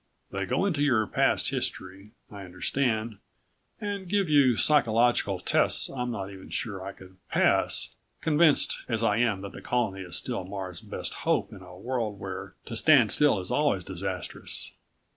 They go into your past history, I understand, and give you psychological tests I'm not even sure I could pass, convinced as I am that the Colony is still Man's best hope in a world where to stand still is always disastrous.